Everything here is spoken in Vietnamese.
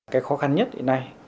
cái khó khăn nhất hiện nay